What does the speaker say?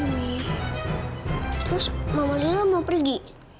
terus mama lila mau pergi